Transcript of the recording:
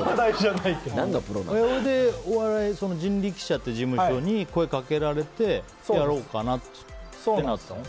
それで人力舎の事務所に声掛けられてやろうかなってなったの？